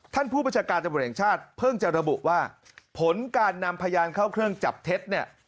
ผู้บัญชาการตำรวจแห่งชาติเพิ่งจะระบุว่าผลการนำพยานเข้าเครื่องจับเท็จเนี่ย